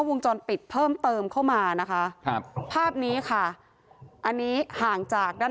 วงจรปิดเพิ่มเติมเข้ามานะคะครับภาพนี้ค่ะอันนี้ห่างจากด้าน